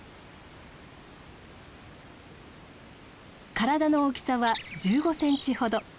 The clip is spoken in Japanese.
体の大きさは１５センチほど。